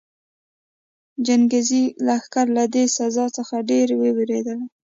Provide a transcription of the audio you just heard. چنګېزي لښکرې له دې سزا څخه ډېرې ووېرېدلې.